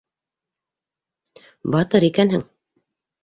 Батыр икәнһең.